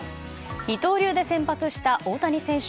二刀流で先発した大谷選手